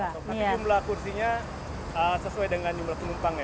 tapi jumlah kursinya sesuai dengan jumlah penumpang ya